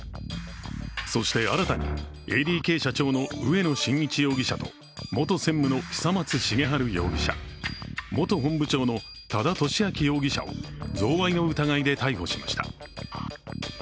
そして新たにＡＤＫ社長の植野伸一容疑者と、元専務の久松茂治容疑者元本部長の多田俊明容疑者を贈賄の疑いで逮捕しました。